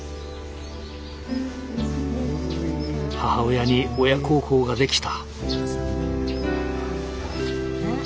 母親に親孝行ができた。